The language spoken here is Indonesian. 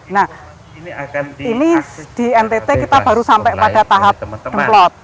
nah ini di ntt kita baru sampai pada tahap demplot